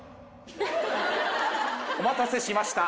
お待たせしました。